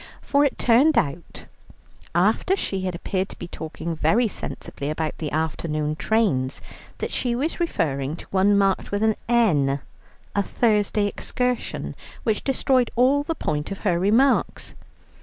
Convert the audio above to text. For it turned out, after she had appeared to be talking very sensibly about the afternoon trains, that she was referring to one marked with an "N.," a Thursday excursion, which destroyed all the point of her remarks.